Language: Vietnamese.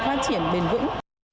phát triển bền vững